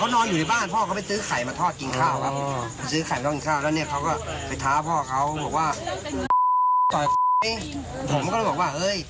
แล้วก็พอแล้วพอแล้ว